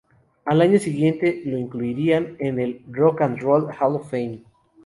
Al año siguiente lo incluirían en el "Rock and Roll Hall of Fame".